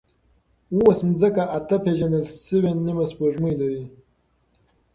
اوس ځمکه اته پېژندل شوې نیمه سپوږمۍ لري.